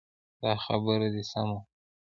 دا خبره دې سمه ده.